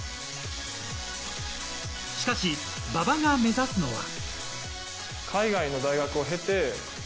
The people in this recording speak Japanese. しかし、馬場が目指すのは。